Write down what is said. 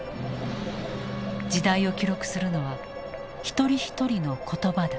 時代を記録するのは一人一人の言葉だ。